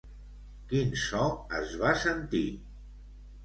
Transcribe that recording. Quin so es va sentir?